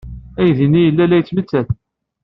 Aydi-nni yella la yettmettat.